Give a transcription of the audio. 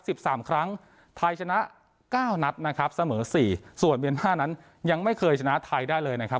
สิบสามครั้งไทยชนะเก้านัดนะครับเสมอสี่ส่วนเมียนมาร์นั้นยังไม่เคยชนะไทยได้เลยนะครับ